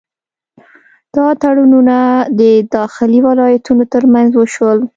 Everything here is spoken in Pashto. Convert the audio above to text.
دا تړونونه د داخلي ولایتونو ترمنځ وشول.